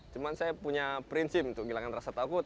cuma saya punya prinsip untuk hilangkan rasa takut